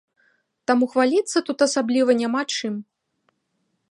Таму хваліцца тут асабліва няма чым.